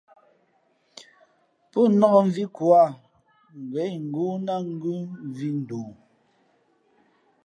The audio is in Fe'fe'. Pō nāk mvi ko ǎ, ngα̌ ingóó ná ngʉ mvī ndoo.